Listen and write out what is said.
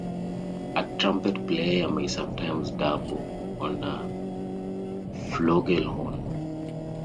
A trumpet player may sometimes double on a flugelhorn.